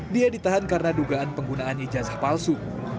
dia ditahan karena dugaan penggunaan ijazah palsu